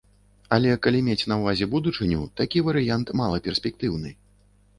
Але калі мець на ўвазе будучыню, такі варыянт малаперспектыўны.